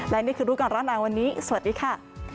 และนี่คือรู้ก่อนร้อนหนาวันนี้สวัสดีค่ะ